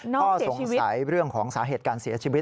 ข้อสงสัยเรื่องของสาเหตุการเสียชีวิต